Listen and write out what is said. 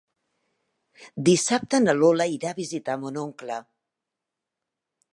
Dissabte na Lola irà a visitar mon oncle.